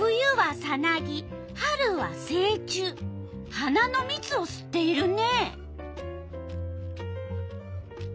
花のみつをすっているね。